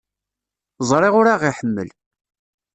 Ẓriɣ ur aɣ-iḥemmel.